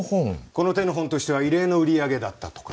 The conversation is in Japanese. この手の本としては異例の売り上げだったとか。